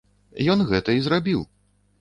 Ён гэта і зрабіў.